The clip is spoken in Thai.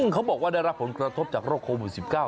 เขาบอกว่าได้รับผลกระทบจากโรคโควิด๑๙